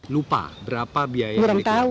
lupa berapa biaya yang dikenakan